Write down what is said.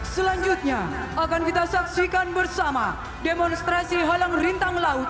selanjutnya akan kita saksikan bersama demonstrasi halang rintang laut